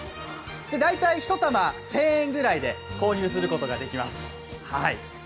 大体１玉１０００円ぐらいで購入することができます。